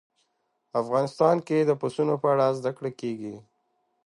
افغانستان کې د پسونو په اړه زده کړه کېږي.